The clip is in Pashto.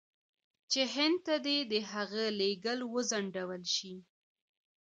چې هند ته دې د هغه لېږل وځنډول شي.